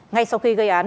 ngay sau khi gây án